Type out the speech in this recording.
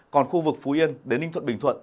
còn khu vực phú yên đến ninh thuận bình thuận